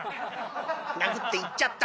殴って行っちゃった。